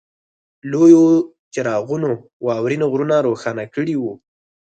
لویو څراغونو واورین غرونه روښانه کړي وو